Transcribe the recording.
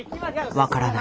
「分からない。